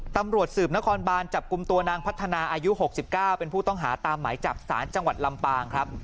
ตำรวจสืบนครบานจับกลุ่มตัวนางพัฒนาอายุ๖๙เป็นผู้ต้องหาตามหมายจับสารจังหวัดลำปางครับ